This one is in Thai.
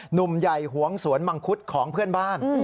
หนุ่มใหญ่หวงสวนมังคุดของเพื่อนบ้าน